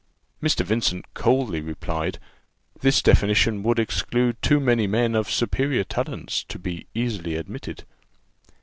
Mr. Vincent coldly replied, "This definition would exclude too many men of superior talents, to be easily admitted."